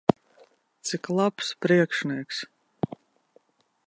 Cik labs priekšnieks!